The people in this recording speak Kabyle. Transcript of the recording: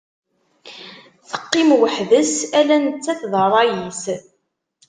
Teqqim weḥd-s ala nettat d rray-is.